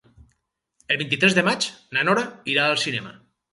El vint-i-tres de maig na Nora irà al cinema.